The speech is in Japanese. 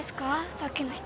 さっきの人。